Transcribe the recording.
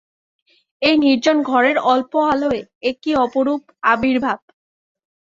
এই নির্জন ঘরের অল্প আলোয় এ কী অপরূপ আবির্ভাব!